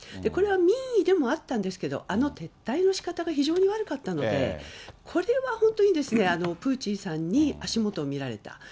これは民意でもあったんですけれども、あの撤退のしかたが非常に悪かったので、これは本当にプーチンさんに足元を見られた。